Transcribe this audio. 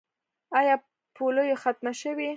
آیا پولیو ختمه شوې؟